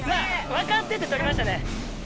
分かってて取りましたね。